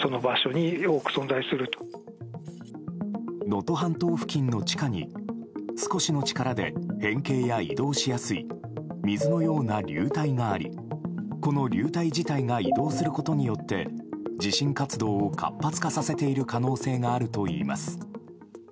能登半島付近の地下に少しの力で変形や移動しやすい水のような流体がありこの流体自体が移動することによって地震活動を活発化させている可能性があるといいます。